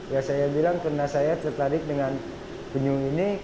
ya saya bilang karena saya tertarik dengan penyu ini